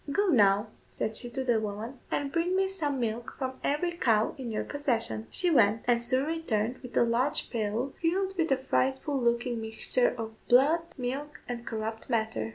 "Go, now," said she to the woman, "and bring me some milk from every cow in your possession." She went, and soon returned with a large pail filled with a frightful looking mixture of milk, blood, and corrupt matter.